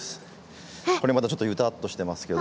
これまだちょっとグタッとしてますけど。